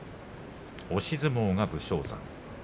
押し相撲が武将山。